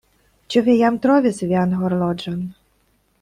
Ĉu vi jam trovis vian horloĝon?